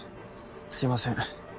すいません。